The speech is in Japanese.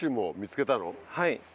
はい。